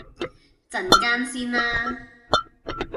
陣間先啦